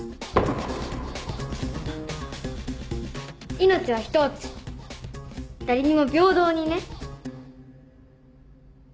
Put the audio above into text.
命はひとつ誰にも平等にね。